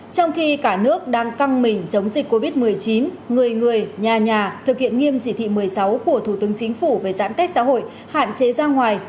trong khi cả nước đang căng mình chống dịch covid một mươi chín người người nhà nhà thực hiện nghiêm chỉ thị một mươi sáu của thủ tướng chính phủ về giãn cách xã hội hạn chế ra ngoài